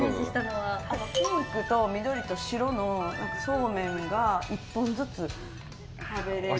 ピンクと緑と白のそうめんが１本ずつ食べれる。